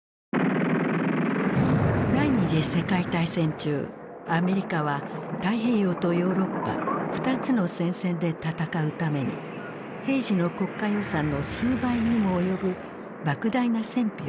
第二次世界大戦中アメリカは太平洋とヨーロッパ２つの戦線で戦うために平時の国家予算の数倍にも及ぶばく大な戦費を必要としていた。